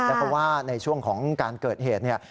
เพราะว่าในช่วงของการเกิดเหตุเนี่ย